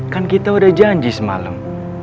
kan kita udah janji semalam